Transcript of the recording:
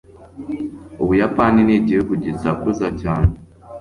Ubuyapani nigihugu gisakuza cyane.